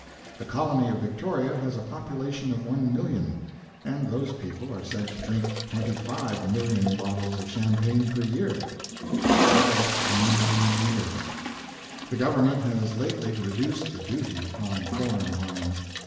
The colony of Victoria has a population of 1,000,000, and those people are said to drink 25,000,000 bottles of champagne per year. The dryest community on the earth. The government has lately reduced the duty upon foreign wines.